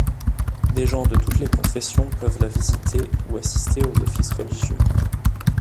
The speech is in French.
Des gens de toutes les confessions peuvent la visiter ou assister aux offices religieux.